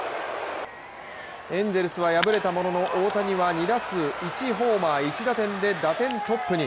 エンゼルスは敗れたものの大谷は２打数１ホーマー１打点で、打点トップに。